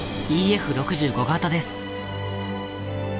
ＥＦ６５形です。